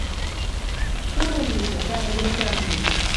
«Пуры лижӹ, пӓлӹдӹм тӓнгем!